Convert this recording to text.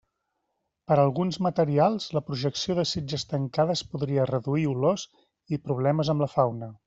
Per alguns materials la projecció de sitges tancades podria reduir olors i problemes amb la fauna.